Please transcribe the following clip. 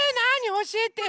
おしえてよ！